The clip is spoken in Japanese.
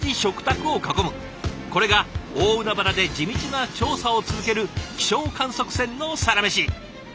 これが大海原で地道な調査を続ける気象観測船のサラメシ。